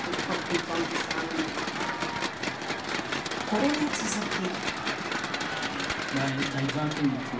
これに続き。